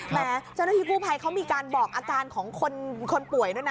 แม้เจ้าหน้าที่กู้ภัยเขามีการบอกอาการของคนป่วยด้วยนะ